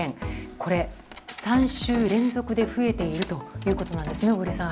これ、３週連続で増えているということなんですね、小栗さん。